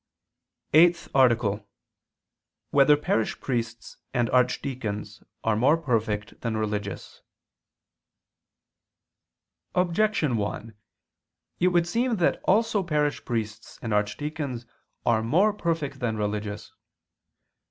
_______________________ EIGHTH ARTICLE [II II, Q. 184, Art. 8] Whether Parish Priests and Archdeacons Are More Perfect Than Religious? Objection 1: It would seem that also parish priests and archdeacons are more perfect than religious.